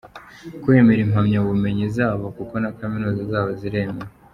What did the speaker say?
Kwemera impamyabumenyi zabo kuko na kaminuza zabo ziremewe.